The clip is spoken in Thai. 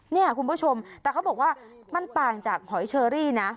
เนี่ยคุณผู้ชมแต่เขาบอกว่ามันต่างจากหอยเชอรี่นะ